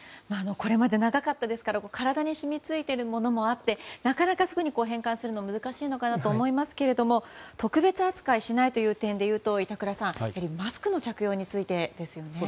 これまで長かったですから体に染みついているものもありなかなかすぐに転換するのは難しいかと思いますが特別扱いしないという点でいうとマスクの着用についてもですね。